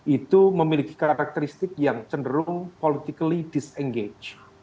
itu memiliki karakteristik yang cenderung politically disengage